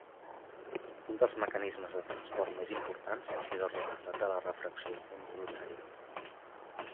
Un dels mecanismes de transport més importants és el resultat de la refracció ondulatòria.